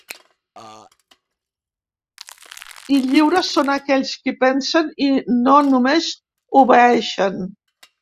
I lliures són aquells qui pensen i no només obeeixen.